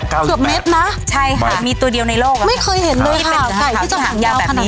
เกือบเม็ดนะใช่ค่ะมีตัวเดียวในโลกอ่ะไม่เคยเห็นเลยเป็นไก่ที่จะหางยาวแบบนี้